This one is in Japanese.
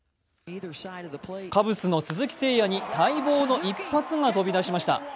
カブスの鈴木誠也に待望の一発が飛び出しました。